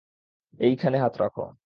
এইখানে হাত রাখো।